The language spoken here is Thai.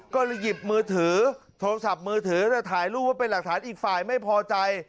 ก็เลยหยิบมือถือโทรศัพท์มือถือถ่ายรูปไว้เป็นหลักฐานอีกฝ่ายไม่พอใจ